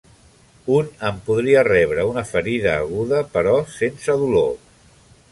Un en podria rebre una ferida aguda, però sense dolor.